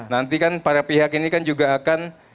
nanti kan para pihak ini kan juga akan